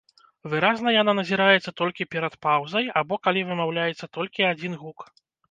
Выразна яна назіраецца толькі перад паўзай або калі вымаўляецца толькі адзін гук.